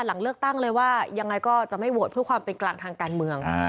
หลังเลือกตั้งเลยว่ายังไงก็จะไม่โหวตเพื่อความเป็นกลางทางการเมือง